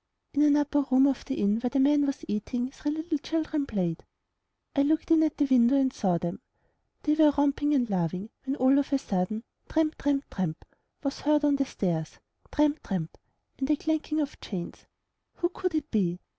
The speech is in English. In an upper room of the inn where the man was eating, three little children played. I looked in at the window and saw them. They were romping and laughing, when all of a sudden, tramp! tramp! tramp ! was heard on the stairs, tramp ! tramp ! and a clanking of chains! Who could it be?